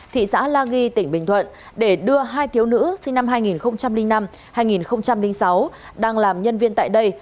thị xã la ghi tỉnh bình thuận để đưa hai thiếu nữ sinh năm hai nghìn năm hai nghìn sáu đang làm nhân viên tại đây